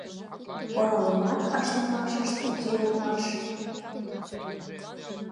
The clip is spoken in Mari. Оролымат ашнымашышт уке улмаш.